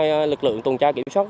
ngoài lực lượng tuần tra kiểm soát